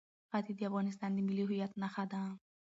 ښتې د افغانستان د ملي هویت نښه ده.